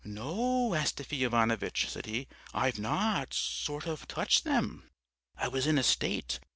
"'No, Astafy Ivanovitch,' said he; 'I've not sort of touched them.' "I was in a state!